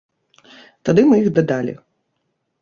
Тады мы іх дадалі.